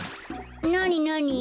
なになに？